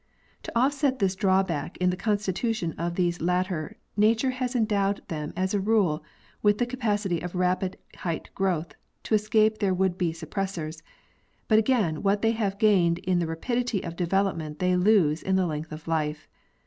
To offset this drawback in the constitution of these latter, nature has endowed them as a rule with the capacity of rapid height growth, to escape their would be suppressors ; but again, what they have gained in the rapidity of development they lose in the length of life.